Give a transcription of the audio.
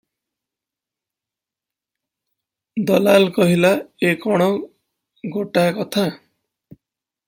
ଦଲାଲ କହିଲା, "ଏ କଣ ଗୋଟାଏ କଥା?